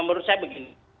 menurut saya begini